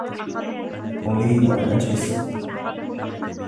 أريد أن أجلس.